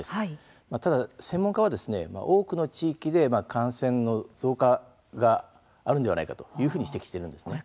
ただ、専門家は多くの地域で感染の増加があるのではないかというふうに指摘しているんですね。